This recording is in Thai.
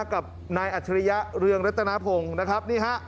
กับนายอัธริยะเรืองรัฐนาพงศ์นะครับ